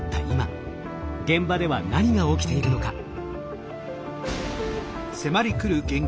今現場では何が起きているのか？